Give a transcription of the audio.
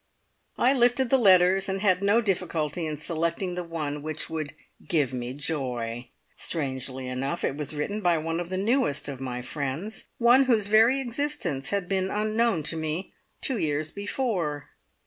I lifted the letters, and had no difficulty in selecting the one which would "give me joy". Strangely enough, it was written by one of the newest of my friends, one whose very existence had been unknown to me two years before.